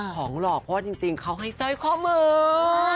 ของหลอกเพราะว่าจริงเค้าให้เซอร์ไพรส์ข้อมือ